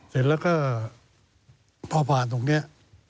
เสร็จแล้วก็พอผ่านตรงนี้